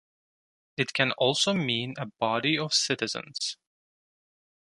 It can also mean a body of citizens.